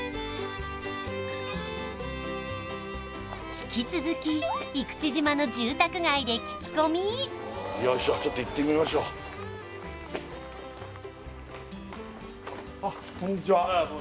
引き続き生口島の住宅街で聞き込みよいしょちょっと行ってみましょうこんにちは